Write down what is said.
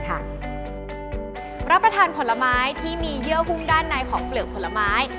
อาณาวดี